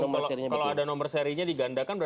kalau ada nomor serinya digandakan